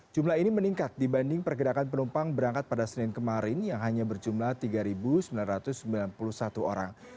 jumlah ini meningkat dibanding pergerakan penumpang berangkat pada senin kemarin yang hanya berjumlah tiga sembilan ratus sembilan puluh satu orang